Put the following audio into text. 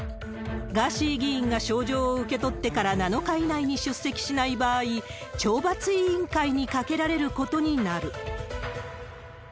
ガーシー議員が招状を受け取ってから７日以内に出席しない場合、懲罰委員会にかけられることになる。